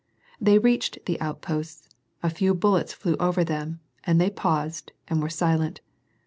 They reached the outposts ; a few bullets flew over them and they paused and were silent.